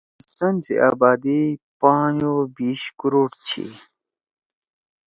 پاکستان سی آبادی پانچ او بیِش کروڑ چھی۔